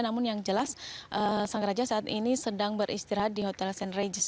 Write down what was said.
namun yang jelas sang raja saat ini sedang beristirahat di hotel st regis